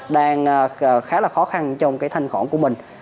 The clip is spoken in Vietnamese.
đang khá là khó khăn trong cái thanh khoản của mình